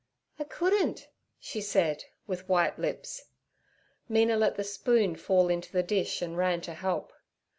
'I couldn't' she said, with white lips. Mina let the spoon fall into the dish and ran to help.